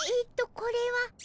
これは。